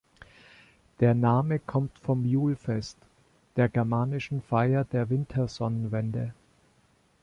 Der Name kommt vom Julfest, der germanischen Feier der Wintersonnenwende.